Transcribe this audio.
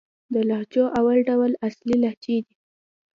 د لهجو اول ډول اصلي لهجې دئ.